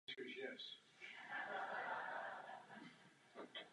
Dalších pět měsíců strávil ve vězení.